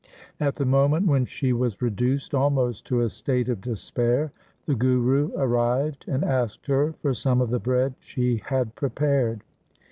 At the moment when she was reduced almost to a state of despair the Guru arrived, and asked her for some of the bread she had prepared.